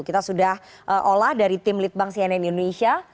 kita sudah olah dari tim litbang cnn indonesia